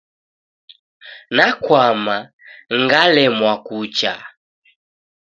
Nakwama, ngalemwa kucha.